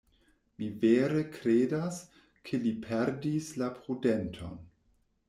Mi vere kredas, ke li perdis la prudenton.